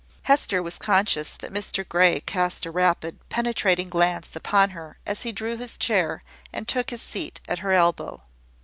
Hester was conscious that Mr Grey cast a rapid, penetrating glance upon her as he drew his chair, and took his seat at her elbow.